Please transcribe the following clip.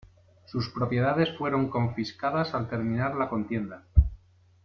Sus propiedades fueron confiscadas al terminar la contienda.